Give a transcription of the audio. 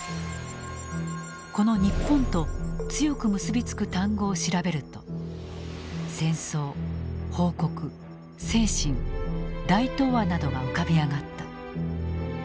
この「日本」と強く結び付く単語を調べると「戦争」「報国」「精神」「大東亜」などが浮かび上がった。